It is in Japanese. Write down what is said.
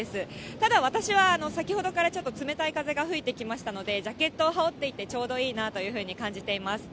ただ、私は先ほどからちょっと冷たい風が吹いてきましたので、ジャケットを羽織っていてちょうどいいなというふうに感じています。